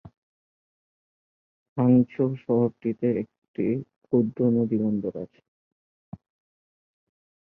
Hangzhou শহরটিতে একটি ক্ষুদ্র নদী বন্দর আছে।